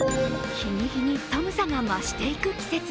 日に日に寒さが増していく季節。